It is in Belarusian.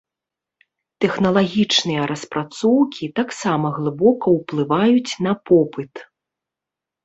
Тэхналагічныя распрацоўкі таксама глыбока ўплываюць на попыт.